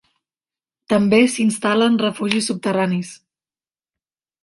També s'instal·len refugis subterranis.